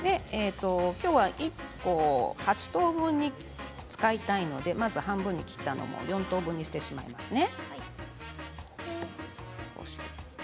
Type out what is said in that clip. １個、８等分に使いたいのでまず半分に切ったものを４等分してしまいますね。